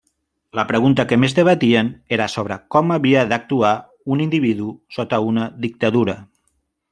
La pregunta que més debatien era sobre com havia d'actuar un individu sota una dictadura.